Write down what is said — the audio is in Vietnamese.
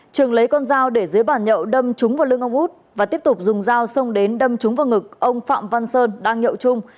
trường lấy con dao để dưới bàn nhậu đâm trúng vào lưng ông út và tiếp tục dùng dao xông đến đâm trúng vào ngực ông phạm văn sơn đang nhậu chung